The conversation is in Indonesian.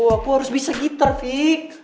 aku harus bisa gitar fik